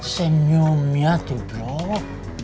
senyumnya tuh bro